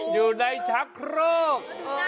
อยู่ในชักโครก